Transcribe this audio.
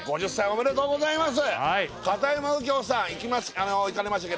おめでとうございます！